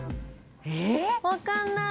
分かんない。